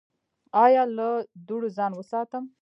ایا له دوړو ځان وساتم؟